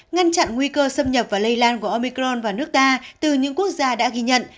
ngăn chặn nguy cơ xâm nhập và lây lan của omicron vào nước ta từ những quốc gia đã ghi nhận